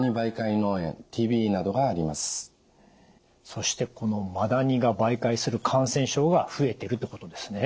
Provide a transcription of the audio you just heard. そしてこのマダニが媒介する感染症が増えてるってことですね。